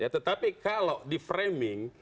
tetapi kalau di framing